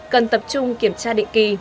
cần tập trung kiểm tra định kỳ